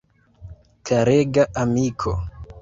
Karega amiko!